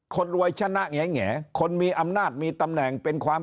คนรวยชนะแง่คนมีอำนาจมีตำแหน่งเป็นความ